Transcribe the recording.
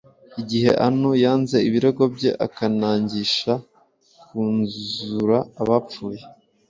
Igihe Anu yanze ibirego bye akangisha kuzura abapfuye